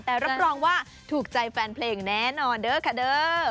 แต่รับรองว่าถูกใจแฟนเพลงแน่นอนเด้อค่ะเด้อ